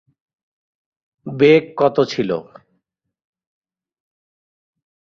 বেগ কত ছিল?